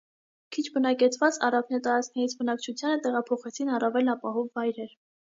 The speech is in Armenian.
Քիչ բնակեցված առափնյա տարածքներից բնակչությանը տեղափոխեցին առավել ապահով վայրեր։